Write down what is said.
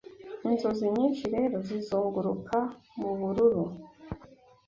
Inzozi nyinshi rero zizunguruka mubururu